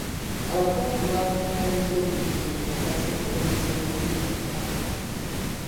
Abakungu bakungaanyizza obujulizi okukakasa okukozesa obubi obuyambi.